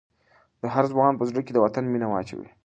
د هر ځوان په زړه کې د وطن مینه واچوئ.